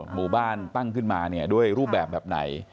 หมู่บ้านตั้งขึ้นมาเนี่ยด้วยรูปแบบแบบไหน